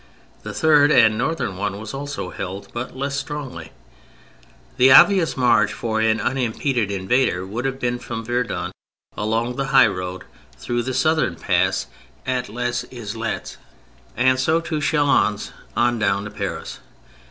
The third and northern one was also held, but less strongly. The obvious march for an unimpeded invader would have been from Verdun along the high road, through the southern pass at " Les 158 THE FRENCH REVOLUTION Islettes," and so to Chalons and on to Paris.